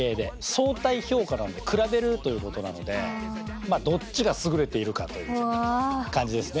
相対評価なので比べるということなのでどっちが優れているかという感じですね。